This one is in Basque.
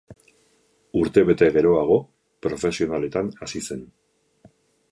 Urtebete geroago, profesionaletan hasi zen.